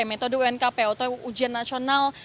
metode unkp atau ujian nasional